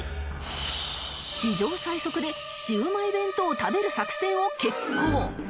史上最速でシウマイ弁当を食べる作戦を決行